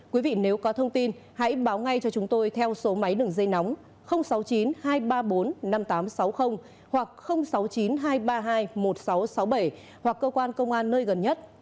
quý vị nếu có thông tin hãy báo ngay cho chúng tôi theo số máy đường dây nóng sáu mươi chín hai trăm ba mươi bốn năm nghìn tám trăm sáu mươi hoặc sáu mươi chín hai trăm ba mươi hai một nghìn sáu trăm sáu mươi bảy hoặc cơ quan công an nơi gần nhất